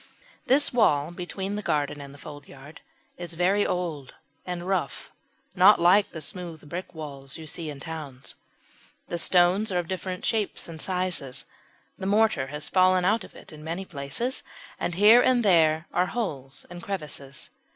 This wall between the garden and the foldyard is very old and rough not like the smooth brick walls you see in towns. The stones are of different shapes and sizes, the mortar has fallen out of it in many places, and here and there are holes and crevices.